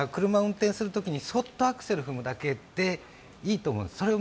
車を運転するときに、そっとアクセルを踏むだけでいいと思うんです。